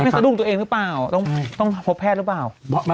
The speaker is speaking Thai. สะดุ้งตัวเองหรือเปล่าต้องพบแพทย์หรือเปล่า